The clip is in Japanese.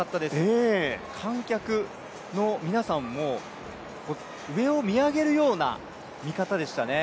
観客の皆さんも上を見上げるような見方ですね。